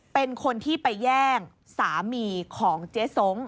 เป็นคนที่ไปแย่งสามีของเจ๊ส้ง